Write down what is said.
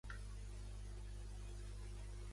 Aquest for oxoàcid s'ha aïllat com el seu dihidrat.